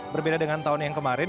berbeda dengan tahun yang kemarin